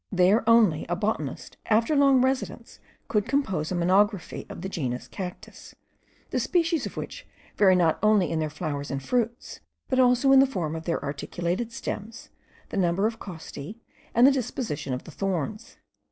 There only, a botanist, after a long residence, could compose a monography of the genus cactus, the species of which vary not only in their flowers and fruits, but also in the form of their articulated stems, the number of costae, and the disposition of the thorns.